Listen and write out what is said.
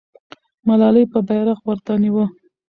ملالۍ به بیرغ ورته نیوه.